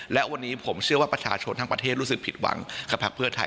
และวันนี้ผมเชื่อว่าประชาชนทั้งประเทศรู้สึกผิดหวังกับพักเพื่อไทย